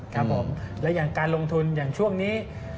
ครับผมและอย่างการลงทุนอย่างช่วงนี้